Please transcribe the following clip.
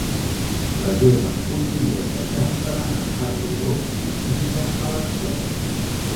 Reserva'm un bitllet de tren per anar a Riudoms diumenge a les tres.